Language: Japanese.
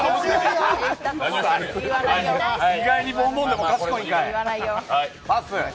意外にボンボンでも賢いんかい。